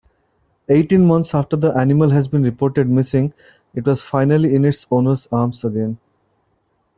Eighteen months after the animal has been reported missing it was finally in its owner's arms again.